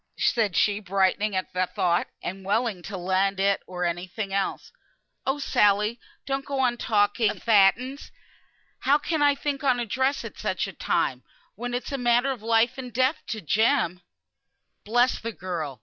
said she, brightening up at the thought, and willing to lend it, or any thing else. "Oh Sally! don't go on talking a that ns; how can I think on dress at such a time? When it's a matter of life and death to Jem?" "Bless the girl!